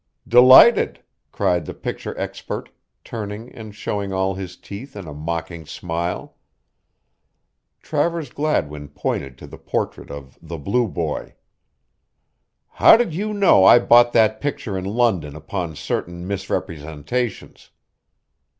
"Delighted," cried the picture expert, turning and showing all his teeth in a mocking smile. Travers Gladwin pointed to the portrait of "The Blue Boy." "How did you know I bought that picture in London upon certain misrepresentations?"